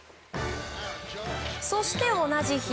そして同じ日。